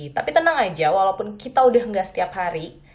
tapi tenang aja walaupun kita udah gak setiap hari